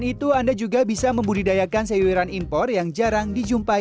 kita bisa memprediksikannya